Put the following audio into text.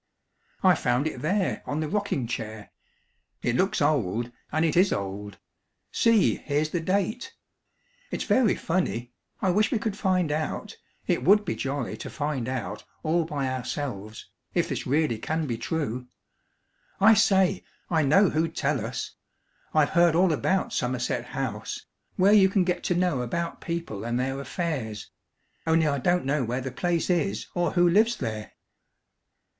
"I found it there, on the rocking chair. It looks old, and it is old. See, here's the date. It's very funny! I wish we could find out it would be jolly to find out all by ourselves, if this really can be true. I say, I know who'd tell us. I've heard all about Somerset House where you can get to know about people and their affairs only I don't know where the place is, or who lives there."